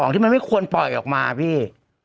ที่มันไม่ควรปล่อยออกมาพี่